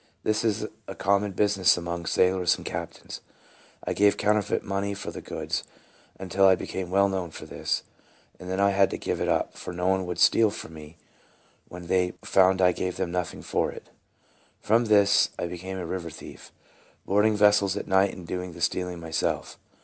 This is a common busi ness among sailors and captains. I gave counterfeit money for the goods, until I became well known for this, and then I had to give it up, for no one would steal for me when they found I gave them nothing for it. From this I became a river thief, boarding vessels at night and doing the steal ing myself.